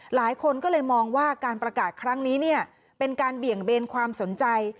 หลายคนก็เลยมองว่าการประกาศครั้งนี้เนี่ยเป็นการเบี่ยงเบนความสนใจ